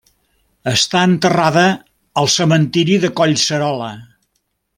Està enterrada al cementiri de Collserola.